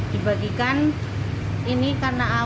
dibagikan ini karena awalnya